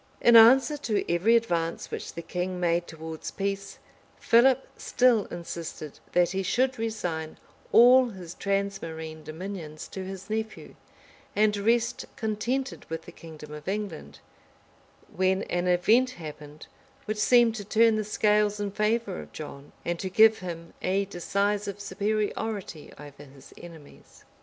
In answer to every advance which the king made towards peace, Philip still insisted that he should resign all his transmarine dominions to his nephew and rest contented with the kingdom of England; when an event happened, which seemed to turn the scales in favor of John, and to give him a decisive superiority over his enemies.